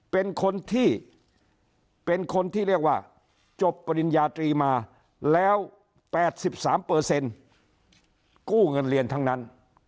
เป็นคนที่เป็นคนที่เรียกว่าจบปริญญาตรีมาแล้ว๘๓กู้เงินเรียนทั้งนั้น